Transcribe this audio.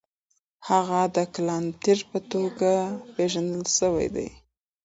هغه د کلانتر په توګه پېژندل سوی و.